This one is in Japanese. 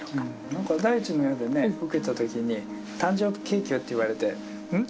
何か第一の矢でね受けた時に誕生ケーキよと言われてうん？